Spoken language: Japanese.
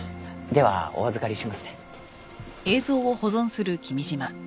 ではお預かりしますね。